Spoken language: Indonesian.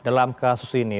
dalam kasus ini